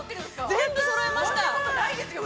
◆全部そろえました。